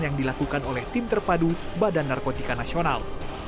yang dilakukan oleh tim terpadu badan narkotika nasional